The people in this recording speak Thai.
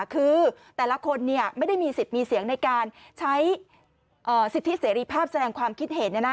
คือแต่ละคนไม่ได้มีสิทธิ์มีเสียงในการใช้สิทธิเสรีภาพแสดงความคิดเห็น